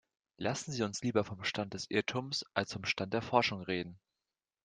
Lassen Sie uns lieber vom Stand des Irrtums als vom Stand der Forschung reden.